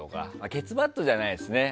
ケツバットじゃないですね。